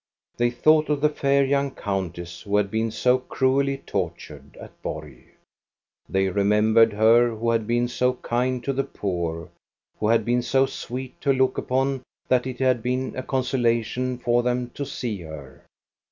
They thought of the fair young countess who had been so cruelly tortured at Borg. They remembered her who had been so kind to the poor, who had been so sweet to look upon that it had been a consolation for them to see her.